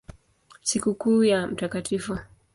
Sikukuu ya Mt.